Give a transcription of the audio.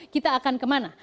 kita akan kemana